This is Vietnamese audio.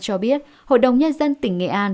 cho biết hội đồng nhân dân tỉnh nghệ an